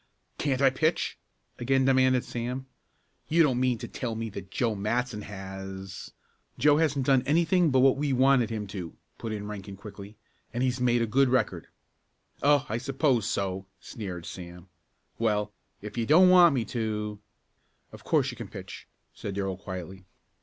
"Can't I pitch?" again demanded Sam. "You don't mean to tell me that Joe Matson has " "Joe hasn't done anything but what we wanted him to," put in Rankin quickly, "and he's made a good record." "Oh, I suppose so," sneered Sam. "Well, if you don't want me to " "Of course you can pitch," said Darrell quietly.